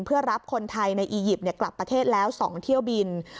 เพื่อรับคนไทยในอียิปต์กลับประเทศแล้ว๒เที่ยวบิน